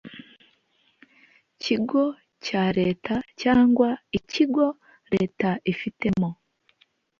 Kigo cya leta cyangwa ikigo leta ifitemo